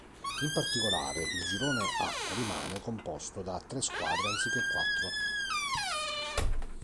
In particolare, il Girone A rimane composto da tre squadre anziché quattro.